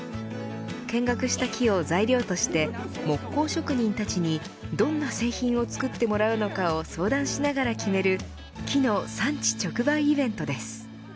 見学した木を材料として木工職人たちにどんな製品を作ってもらうのかを相談しながら決める木の産地直売イベントです。